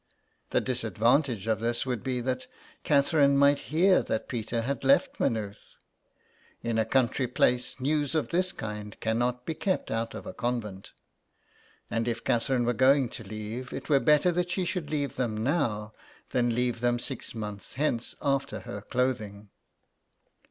The disadvantage of this would be that Catherine might hear that Peter had left Maynooth. In a country place news of this kind cannot be kept out of a convent. And if Catherine were going to leave, it were better that she should leave them now than leave them six months hence, after her clothing.